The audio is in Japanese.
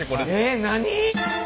え何！？